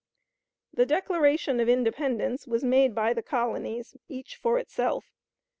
The Declaration of Independence was made by the colonies, each for itself.